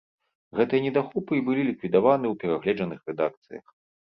Гэтыя недахопы і былі ліквідаваны ў перагледжаных рэдакцыях.